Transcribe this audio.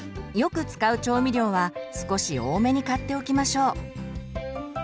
よく使う調味料は少し多めに買っておきましょう。